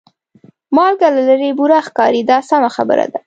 مالګه له لرې بوره ښکاري دا سمه خبره ده.